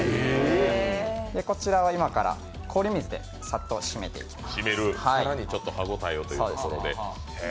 こちらを今から氷水でサッと締めていきます。